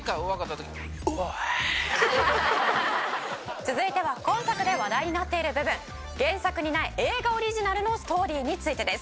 続いては今作で話題になっている部分原作にない映画オリジナルのストーリーについてです。